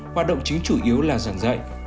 hoạt động chính chủ yếu là giảng dạy